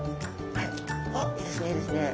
はいあっいいですねいいですね！